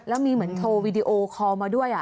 แล้วมีเหมือนโทรวีดีโอคอลมาด้วย